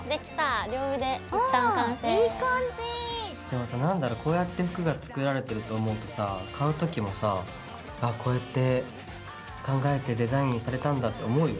でもさ何だろうこうやって服が作られてると思うとさ買う時もさあっこうやって考えてデザインされたんだって思うよね。